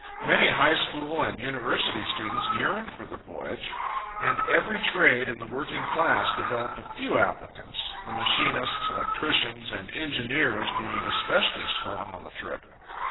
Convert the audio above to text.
Many high school and university students yearned for the voyage, and every trade in the working class developed a few applicants, the machinists, electricians, and engineers being especially strong on the trip.